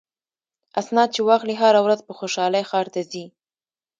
اسناد چې واخلي هره ورځ په خوشحالۍ ښار ته ځي.